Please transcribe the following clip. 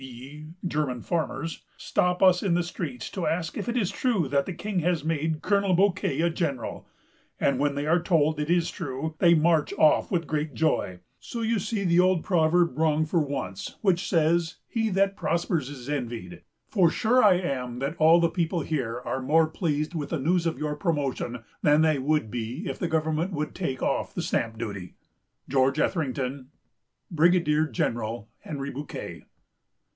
e., German farmers_) stop us in the streets to ask if it is true that the King has made Colonel Bouquet a general; and, when they are told it is true, they march off with great joy; so you see the old proverb wrong for once, which says, he that prospers is envied; for sure I am that all the people here are more pleased with the news of your promotion than they would be if the government would take off the stamp duty.... "GEO. ETHERINGTON. "BRIGADIER GENERAL HENRY BOUQUET."